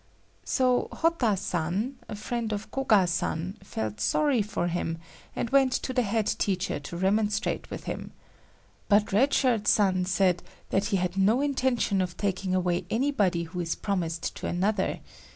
"So Hotta san a friend of Koga san, felt sorry for him and went to the head teacher to remonstrate with him. But Red Shirt san said that he had no intention of taking away anybody who is promised to another.